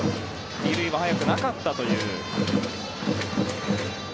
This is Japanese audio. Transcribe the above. ２塁は早くなかったという。